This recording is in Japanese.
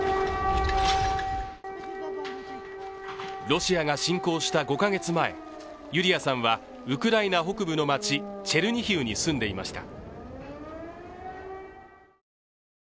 ロシアが侵攻した５カ月前、ユリヤさんはウクライナ北部の街チェルニヒウに住んでいました。